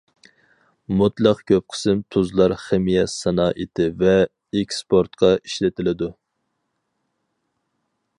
مۇتلەق كۆپ قىسىم تۇزلار خىمىيە سانائىتى ۋە ئېكسپورتقا ئىشلىتىلىدۇ.